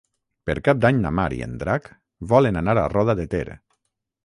Per Cap d'Any na Mar i en Drac volen anar a Roda de Ter.